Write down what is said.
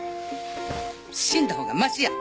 死んだほうがマシや！